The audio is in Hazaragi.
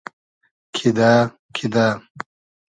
کیدۂ کیدۂ